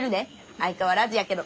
相変わらずやけど。